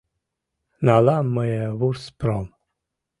Налам мые вурс пром.